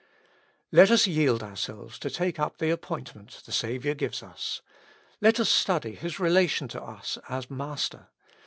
Let us yield ourselves to take up the appointment the Saviour gives us. Let us study His relation to us as Master.